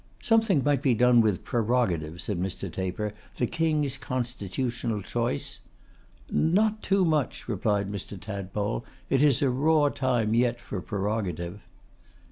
'Something might be done with prerogative,' said Mr. Taper; 'the King's constitutional choice.' 'Not too much,' replied Mr. Tadpole. 'It is a raw time yet for prerogative.